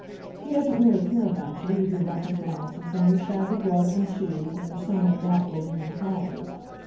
He doesn't really care about you, with your rumpled blouses, and your shabby gloves and shoes, and your somewhat doubtful linen collars.